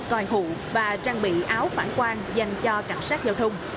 coi hụ và trang bị áo phản quan dành cho cảnh sát giao thông